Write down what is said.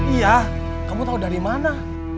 iya kamu tahu dari mana